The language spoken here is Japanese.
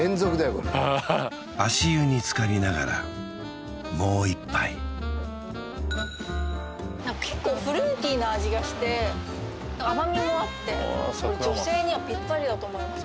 これ足湯につかりながらもう一杯結構フルーティーな味がして甘みもあってこれ女性にはぴったりだと思います